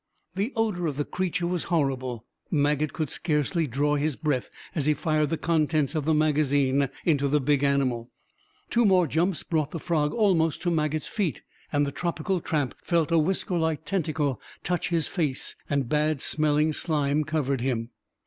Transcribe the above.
The odor of the creature was horrible. Maget could scarcely draw his breath as he fired the contents of the magazine into the big animal. Two more jumps brought the frog almost to Maget's feet, and the tropical tramp felt a whiskerlike tentacle touch his face, and bad smelling slime covered him.